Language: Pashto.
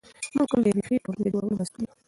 موږ ټول د یوې ښې ټولنې د جوړولو مسوول یو.